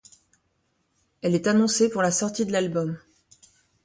Elle est annoncée pour la sortie de l'album.